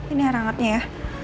ini harangetnya ya